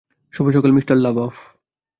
শুভ সকাল, মিস্টার লা বফ।